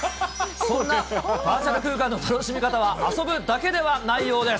そんなバーチャル空間の楽しみ方は遊ぶだけではないようです。